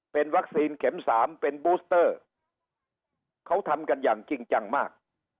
เป็นวัคซีนเข็มสามเป็นบูสเตอร์เขาทำกันอย่างจริงจังมาก